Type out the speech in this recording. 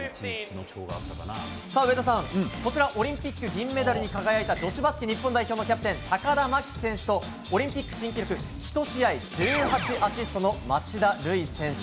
上田さん、こちらオリンピック銀メダルに輝いた女子バスケ日本代表のキャプテン高田真希選手とオリンピック新記録１試合１８アシストの町田瑠唯選手。